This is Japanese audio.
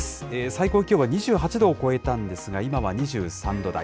最高気温は２８度を超えたんですが、今は２３度台。